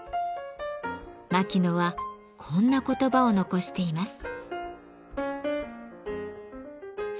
牧野はこんな言葉を残しています。